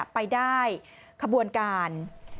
ไปได้ขบวนการ